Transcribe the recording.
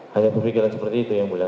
hanya berpikiran seperti itu yang mulia